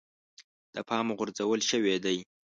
د پامه غورځول شوی دی.